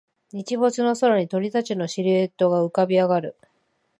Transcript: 日没の空に鳥たちのシルエットが浮かび上がる